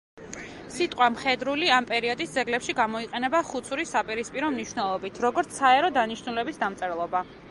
სიტყვა „მხედრული“ ამ პერიოდის ძეგლებში გამოიყენება „ხუცურის“ საპირისპირო მნიშვნელობით, როგორც საერო დანიშნულების დამწერლობა.